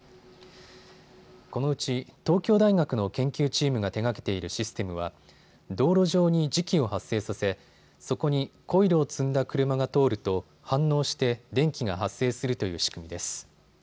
このうち東京大学の研究チームが手がけているシステムは道路上に磁気を発生させそこにコイルを積んだ車が通ると反応して電気が発生するという仕組みです。